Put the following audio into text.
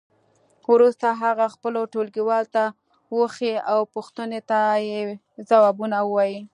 وروسته هغه خپلو ټولګیوالو ته وښیئ او پوښتنو ته یې ځوابونه ووایئ.